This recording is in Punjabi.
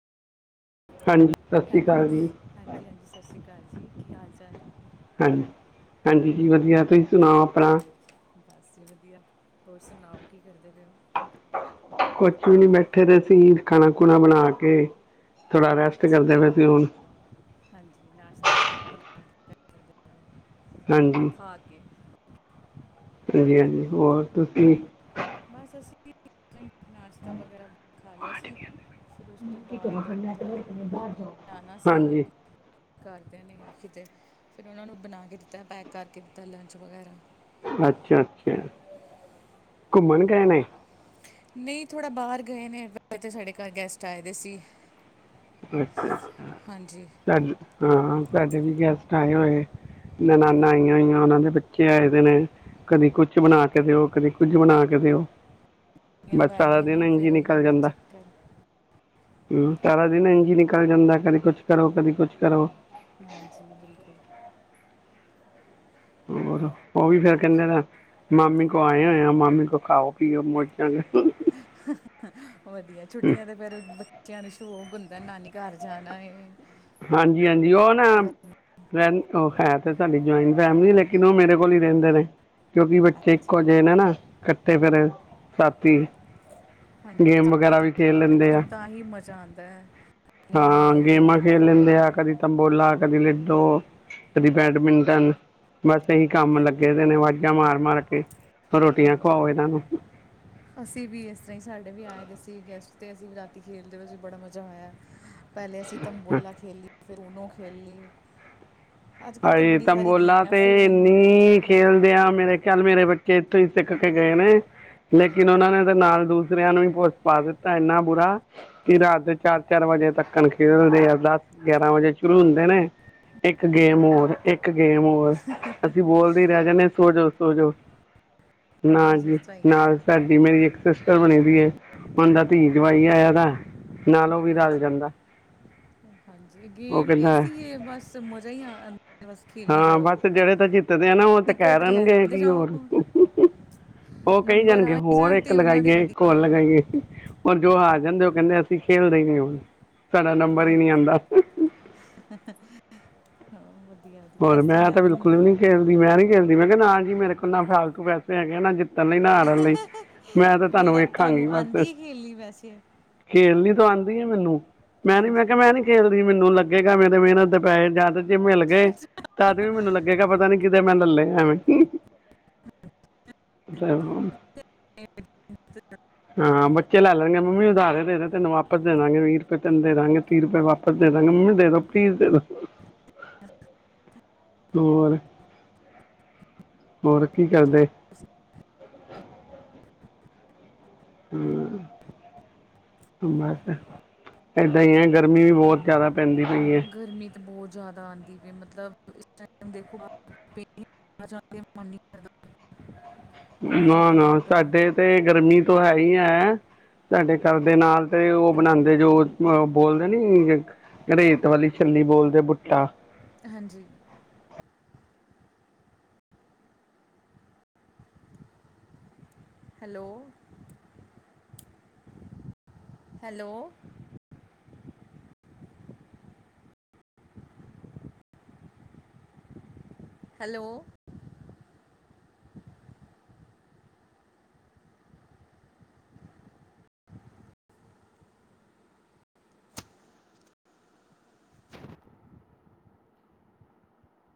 ਹਾਂਜੀ। ਸਤਿ ਸ਼੍ਰੀ ਹੈਲੋ, ਅਕਾਲ ਜੀ ਹਾਂਜੀ-ਹਾਂਜੀ, ਸਸ ਸ਼੍ਰੀ ਅਕਾਲ ਜੀ। ਕੀ ਹਾਲ ਚਾਲ ਐ? ਹਾਂਜੀ ਹਾਂਜੀ ਜੀ ਵਧੀਆ, ਤੁਸੀਂ ਸੁਣਾਓ ਆਪਣਾ? ਬਸ ਵਧੀਆ, ਹੋਰ ਸੁਣਾਓ ਕੀ ਕਰਦੇ ਪਏ ਓ? ਕੁਛ ਵੀ ਨੀ ਬੈਠੇ ਦੇ ਸੀ ਖਾਣਾ-ਖੁਣਾ ਬਣਾ ਕੇ ਥੋੜਾ ਰੈਸਟ ਕਰਦੇ ਪਏ ਸੀ ਅੱਛਾ ਹੁਣ। ਹਾਂਜੀ ਨਾਸ਼ਤਾ ਬਣਾ ਕੇ ਕਰਦੇ ਹੋ ਹਾਂਜੀ। ਖਾ ਕੇ ਹਾਂਜੀ-ਹਾਂਜੀ, ਹੋਰ ਤੁਸੀਂ ਬਸ ਅਸੀ ਵੀ ਨਈ ਨਾਸ਼ਤਾ ਵਗੈਰਾ ਖਾ ਲਿਆ ਸੀ ਫਿਰ ਉਸ ਤੋਂ ਬਾਅਦ ਥੋੜ੍ਹਾ ਜਾਣਾ ਸੀ ਹਾਂਜੀ ਘਰਦਿਆਂ ਨੇ ਕਿਤੇ ਫੇਰ ਉਹਨਾਂ ਨੂੰ ਬਣਾ ਕੇ ਦਿੱਤਾ ਪੈਕ ਕਰਕੇ ਦਿੱਤਾ ਲੰਚ ਵਗੈਰਾ। ਅੱਛਾ-ਅੱਛਾ, ਘੁੰਮਣ ਗ‌ਏ ਨੇ? ਨਹੀਂ, ਥੋੜ੍ਹਾ ਬਾਹਰ ਗਏ ਨੇ ਵੈਸੇ ਤੇ ਸਾਡੇ ਘਰ ਗੈਸਟ ਆਏ ਦੇ ਸੀ। ਅੱਛਾ-ਅੱਛਾ, ਹਾਂਜੀ ਸਾ ਹਾ ਸਾਡੇ ਵੀ ਗੈਸਟ ਆਏ ਹੋਏ। ਨਨਾਨਾਂ ਆਈਆਂ ਹੋਈਆਂ ਉਹਨਾਂ ਦੇ ਬੱਚੇ ਆਏ ਦੇ ਨੇ। ਕਦੀ ਕੁਛ ਬਣਾ ਕੇ ਦਿਓ ਕਦੀ ਕੁੱਝ ਬਣਾ ਕੇ ਦਿਓ। ਛੁੱਟੀਆਂ ਬਸ ਪੈ ਸਾਰਾ ਗਈਆਂ ਦਿਨ ਨਾ ਇੰਝ ਈ ਫਿਰ ਉਹਨਾਂ ਦਾ ਨਿਕਲ ਜਾਂਦਾ। ਚੱਕਰ ਹਮ ਸਾਰਾ ਦਿਨ ਇੰਝ ਨਿਕਲ ਜਾਂਦੈ ਕਦੀ ਕੁਛ ਕਰੋ ਕਦੀ ਕੁਛ ਕਰੋ। ਹਾਂਜੀ ਬਿਲਕੁਲ। ਹੋਰ ਉਹ ਵੀ ਫੇਰ ਹੋਰ ਕਹਿੰਦੇ ਸੁਣਾਓ? ਦਾ ਮਾਮੀ ਕੋ ਆਏ ਹੋਏ ਆ ਮਾਮੀ ਕੋ ਖਾਓ ਪੀਓ ਮੋਜਾਂ ਕਰੋ। ਵਧੀਆ ਛੁੱਟੀਆਂ ਤੇ ਫੇਰ ਬੱਚਿਆਂ ਨੂੰ ਸ਼ੌਕ ਹੁੰਦੈ ਨਾਨੀ ਘਰ ਜਾਣਾ ਏ। ਹਾਂਜੀ ਹਾਂਜੀ ਉਹ ਨਾ ਉਹ ਹੈ ਤੇ ਸਾਡੀ ਜੁਆਇੰਟ ਫੈਮਿਲੀ ਲੇਕਿਨ ਉਹ ਮੇਰੇ ਕੋਲ ਈ ਰਹਿੰਦੇ ਨੇ। ਕਿਉਂਕਿ ਬੱਚੇ ਇੱਕੋ ਜਿਹੇ ਨੇ ਨਾ ਇਕੱਠੇ ਫੇਰ ਸਾਥੀ ਹਾਂਜੀ ਗੇਮ ਵਗੈਰਾ ਸਾਥ ਵੀ ਖੇਲ ਲੈਂਦੇ ਆ। ਫਿਰ ਤਾਂ ਹੀ ਮਜ਼ਾ ਆਉਂਦਾ ਹੈ ਆਪਣੇ ਹਾਂ ਨਾਲ ਦੇ ਗੇਮਾਂ ਬੰਦੇ ਖੇਲ ਹੋਣ ਲੈਂਦੇ ਆ ਕਦੀ ਤੰਬੋਲਾ ਕਦੀ ਲਿਡੋ। ਕਦੀ ਬੈਡਮਿੰਟਨ ਬਸ ਇਹੀ ਕੰਮ ਲੱਗੇ ਦੇ ਨੇ ਵਾਜ਼ਾਂ ਮਾਰ ਮਾਰ ਕੇ। ਰੋਟੀਆਂ ਹਾਂਜੀ। ਖਵਾਓ ਇਹਨਾਂ ਨੂੰ ਅਸੀਂ ਵੀ ਏਸਰ੍ਹਾਂ ਈ ਸਾਡੇ ਵੀ ਆਏ ਦੇ ਸੀ ਗੈਸਟ, ਤੇ ਅਸੀਂ ਰਾਤੀ ਖੇਲਦੇ ਵ‌ਏ ਵਿੱਚ ਬੜਾ ਮਜ਼ਾ ਆਇਆ। ਪੈਲੇ ਅਸੀਂ ਤੰਬੋਲਾ ਖੇਲੀ, ਫੇਰ ਉਣੋ ਖੇਲੀ। ਅੱਜ ਕੱਲ੍ਹ ਤੇ ਹਾਏ ਬੜੀ ਸਾਰੀ ਤੰਬੋਲਾ ਗੇਮ ਹੈ ਤੇ ਫੋਨ ਤੇ ਏਨੀ ਇਲਾਵਾ ਖੇਲਦੇ ਆ ਮੇਰੇ ਚਲ ਮੇਰੇ ਬੱਚੇ ਏਥੋਂ ਈ ਸਿੱਖ ਕੇ ਗਏ ਨੇ ਹਾਂਜੀ ਲੇਕਿਨ ਓਨਾਂ ਨੇ ਤਾਂ ਨਾਲ ਦੂਜ ਦੂਸਰਿਆਂ ਨੂੰ ਵੀ ਪੁਸ ਪਾ ਦਿੱਤਾ ਏਨਾ ਬੁਰਾ ਕੀ ਰਾਤ ਦੇ ਚਾਰ ਚਾਰ ਵਜੇ ਤੱਕਣ ਖੇਲਦੇ ਆ, ਦਸ ਗਿਆਰਾਂ ਵਜੇ ਸ਼ੁਰੂ ਹੁੰਦੇ ਨੇ। ਇੱਕ ਗੇਮ ਹੋਰ, ਇੱਕ ਗੇਮ ਹੋਰ। ਅਸੀਂ ਬੋਲਦੇ ਈ ਰੈ ਜਾਂਨੇ, ਸੋਜੋ- ਸੋਜੋ ਨਾ ਬਸ ਇਸ ਜੀ ਤਰ੍ਹਾਂ ਹੀ ਹੈ ਨਾ। ਤਾਡੀ ਮੇਰੀ ਇੱਕ ਸਿਸਟਰ ਬਣੀ ਦੀ ਏ, ਓਨ ਦਾ ਧੀ ਜਵਾਈ ਆਇਆ ਦਾ। ਨਾਲ ਉਹ ਵੀ ਰਲ ਹਾਂਜੀ ਜਾਂਦਾ ਹਾਂਜੀ ਏ ਉਹ ਗੇਮ ਈ ਕਹਿੰਦਾ ਐਸੀ ਏ ਬਸ ਮਜ਼ਾ ਈ ਆਂ ਬਸ ਖੇਲੀ ਜਾਓ। ਤਦੇ ਨਾ ਓ ਤੇ ਕੈ ਟਿਕਟ ਦੇਣਗੇ ਲੈਂਦੇ ਕੀ ਜਾਓ ਹੋਰ ਓ ਕ‌ਈ ਨੰਬਰ ਜਾਣਗੇ ਆ ਹੀ ਹੋਰ ਜਾਣ ਇੱਕ ਤੇ ਉਹਨਾਂ ਦੇ ਲਗਾਈਏ, ਇੱਕ ਹੋਰ ਵਧੀਆ ਲਗਾਈਏ। ਔਰ ਜੋ ਹਾਰ ਜਾਂਦੇ ਓ ਕੈਂਦੇ ਅਸੀਂ ਖੇਲਦੇ ਈ ਨੀ ਹੁਣ, ਸਾਡਾ ਨੰਬਰ ਈ ਹਾਂ ਨੀ ਆਂਦਾ। ਹਾਂ ਵਧੀਆ ਵਧੀਆ ਹੋਰ ਏਸਤਰ੍ਹਾਂ ਈ ਮੈਂ ਤਾਂ ਆਂਦਾ। ਬਿਲਕੁਲ ਵੀ ਨਹੀਂ ਖੇਲਦੀ ਮੈਂ ਨੀ ਖੇਲਦੀ, ਮੈਂ ਕਿਆ ਨਾ ਜੀ ਮੇਰੇ ਕੋਲ ਨਾ ਫਾਲਤੂ ਪੈਸੇ ਹੈਗੇ ਆ ਨਾ ਤੇ ਨ‌ਈ ਨਾ ਹਾਰਨ ਲਈ, ਮੈਂ ਤੇ ਤੁਆਨੂੰ ਮਤਲਬ ਵੇਖਾਂਗੀ ਤੁਹਾਨੂੰ ਬਸ। ਆਂਦੀ ਹੈ ਖੇਲਣੀ ਵੈਸੇ ਖੇਲਣੀ ਤਾਂ ਆਂਦੀ ਐ ਮੈਨੂੰ, ਮੈਂ ਨੀ ਮੈਂ ਹਾਂਜੀ ਕਿਆ ਮੈਂ ਨੀ ਖੇਲਦੀ ਮੈਨੂੰ ਲੱਗੇਗਾ ਮੇਰੇ ਮੇਨਤ ਦੇ ਪੈਹੇ ਜਾਦਾ ਜੇ ਮਿਲ ਗੇ ਤਦ ਵੀ ਮਿਨੂੰ ਲੱਗੇਗਾ ਪਤਾ ਨੀ ਕਿਦੇ ਮੈਂ ਲੈ ਲੇ ਐਵੀਂ। [unintelligible] ਹਾਂ ਬੱਚੇ ਲੈ ਲੈਣਗੇ ਮੰਮੀ ਉਧਾਰੇ ਦੇਦੇ ਤੈਨੂੰ ਵਾਪਸ ਦੇ ਦਾਂਗੇ, ਵੀਅ ਰਪਏ ਤੈੂਨੂੰ ਦੇ ਦਾਂਗੇ। ਤੀਹ ਰੁਪਏ ਵਾਪਸ ਦੇ ਦਾਂਗੇ, ਮੰਮੀ ਦੇ ਦੋ ਪਲੀਜ਼ ਦੇ ਦੋ। ਹੋਰ? ਹੋਰ ਕੀ ਕਰਦੇ? ਹੂੰ ਬਸ ਏਦਾਂ ਈ ਏ ਗਰਮੀ ਵੀ ਬੋਤ ਜਾਦਾ ਪੈਂਦੀ। ਪਈ ਹੈ ਗਰਮੀ ਤੇ ਬੋਤ ਜਾਦਾ ਆਂਦੀ ਪੀ ਏ ਮਤਲਬ [unintelligible] ਨਾ ਜ਼ਿਆਦਾ ਨਾ ਧੁੱਪ ਹੈ ਸਾਡੇ ਤੇ ਗਰਮੀ ਤੋਂ ਹੈ ਈ ਹੈ ਸਾਡੇ ਡੇ ਘਰ ਦੇ ਨਾਲ ਤੇ ਓ ਬਣਾਦੇ ਜੋ ਬੋਲਦੇ ਨੀ ਰੇਤ ਵਲੀ ਛੱਲੀ ਬੋਲਦੇ ਬੁੱਟਾ। ਹਾਂਜੀ। ਹੈਲੋ। ਹੈਲੋ। ਹੈਲੋ